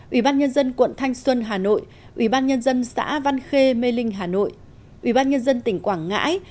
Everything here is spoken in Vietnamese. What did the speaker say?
ubnd quận thanh xuân hà nội ubnd xã văn khê mê linh hà nội ubnd tỉnh quảng ngãi